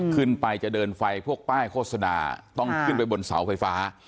ขึ้นไปจะเดินไฟพวกป้ายโฆษณาต้องขึ้นไปบนเสาไฟฟ้า